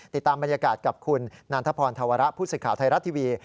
ติดตามบรรยากาศกับคุณนันทพรธวระผู้สื่อข่าวไทยรัฐทีวี